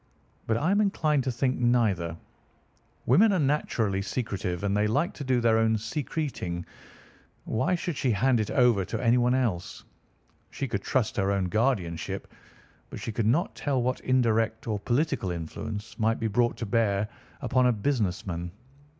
But I am inclined to think neither. Women are naturally secretive, and they like to do their own secreting. Why should she hand it over to anyone else? She could trust her own guardianship, but she could not tell what indirect or political influence might be brought to bear upon a business man.